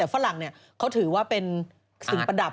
แต่ฝรั่งเนี่ยเขาถือว่าเป็นสิ่งประดับ